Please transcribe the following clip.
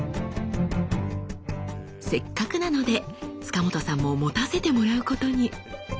せっかくなので塚本さんも持たせてもらうことに。